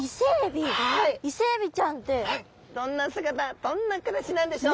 どんな姿どんな暮らしなんでしょう？